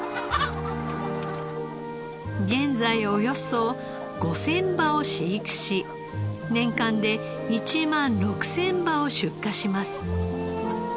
現在およそ５０００羽を飼育し年間で１万６０００羽を出荷します。